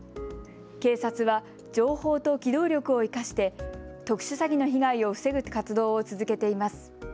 警察は情報と機動力を生かして特殊詐欺の被害を防ぐ活動を続けています。